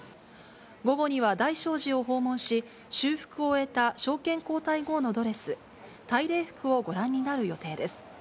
午後には、大聖寺を訪問し、修復を終えた昭憲皇太后のドレス、大礼服をご覧になる予定です。